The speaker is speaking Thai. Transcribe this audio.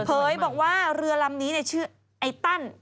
บอกว่าเรือลำนี้ชื่อไอ้ตัน